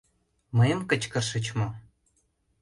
— Мыйым кычкырышыч мо?